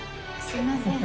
すいません。